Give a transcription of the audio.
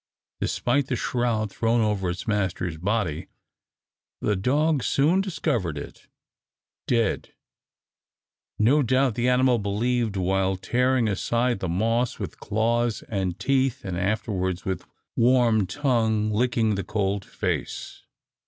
Despite the shroud thrown over its master's body, the dog soon discovered it dead, no doubt the animal believed, while tearing aside the moss with claws and teeth, and afterwards with warm tongue licking the cold face.